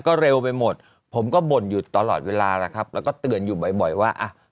ก็เร็วไปหมดผมก็บ่นอยู่ตลอดเวลาแล้วครับแล้วก็เตือนอยู่บ่อยว่าอ่ะ